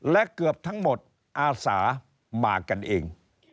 และเกือบทั้งหมดอาสามากันเอง